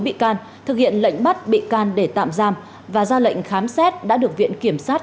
bốn bị can thực hiện lệnh bắt bị can để tạm giam và ra lệnh khám xét đã được viện kiểm sát